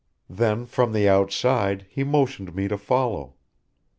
"Then from the outside, he motioned me to follow.